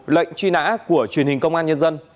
lệnh truy nã của truyền hình công an nhân dân